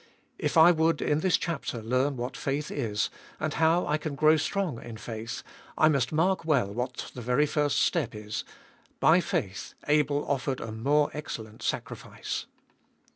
If I would in this chapter learn what faith is, and how I can grow strong in faith, I must mark well what the very first step is : By faith Abel offered a more excellent sacrifice.